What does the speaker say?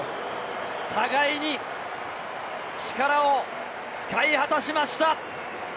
互いに力を使い果たしました。